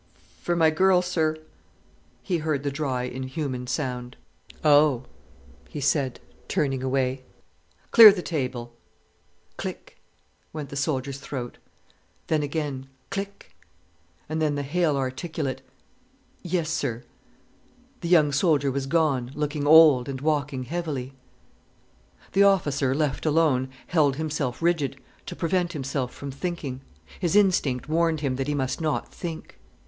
"For my girl, sir," he heard the dry, inhuman sound. "Oh!" he said, turning away. "Clear the table." "Click!" went the soldier's throat; then again, "click!" and then the half articulate: "Yes, sir." The young soldier was gone, looking old, and walking heavily. The officer, left alone, held himself rigid, to prevent himself from thinking. His instinct warned him that he must not think.